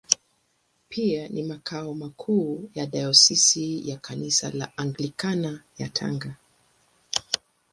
Pia ni makao makuu ya Dayosisi ya Kanisa la Anglikana ya Tanga.